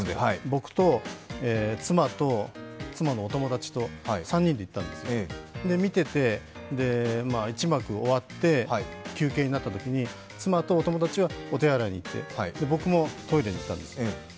僕と妻と妻のお友達と３人で行ったんですけど、見てて、一幕終わって、休憩になったときに妻とお友達はお手洗いに行って、僕もトイレに行ったんですよ。